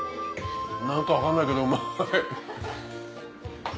何か分かんないけどうまい！